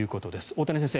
大谷先生